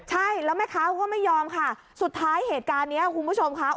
ใช่แล้วแม่ค้าเขาก็ไม่ยอมค่ะสุดท้ายเหตุการณ์นี้คุณผู้ชมค่ะ